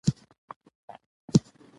یو تعویذ درڅخه غواړمه غښتلی